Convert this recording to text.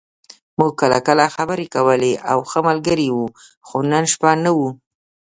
موږ کله کله خبرې کولې او ښه ملګري وو، خو نن شپه نه و.